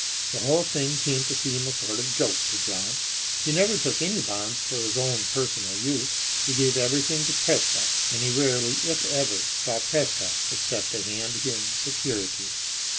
The whole thing came to seem a sort of joke to John. He never took any bonds for his own personal use. He gave everything to Prescott, and he rarely, if ever, saw Prescott except to hand him securities.